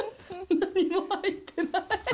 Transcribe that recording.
何も入ってない。